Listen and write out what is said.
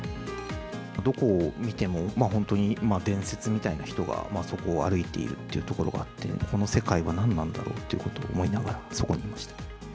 どこを見ても、本当に伝説みたいな人がそこを歩いているというところがあって、この世界は何なんだろうということを思いながら、そこにいました。